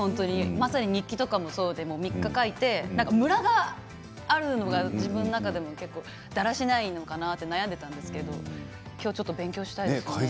まさに日記も３日とか書いてムラがあるのが、自分の中でもだらしないのかなと悩んでいたんですけれど、きょうちょっと勉強したいいですね。